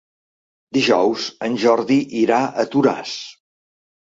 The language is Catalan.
Dijous en Jordi irà a Toràs.